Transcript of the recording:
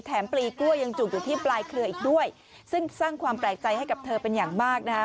ปลีกล้วยยังจุกอยู่ที่ปลายเครืออีกด้วยซึ่งสร้างความแปลกใจให้กับเธอเป็นอย่างมากนะฮะ